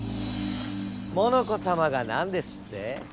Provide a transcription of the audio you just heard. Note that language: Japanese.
モノコさまが何ですって？